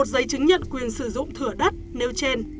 giấy chứng nhận quyền sử dụng thửa đất nêu trên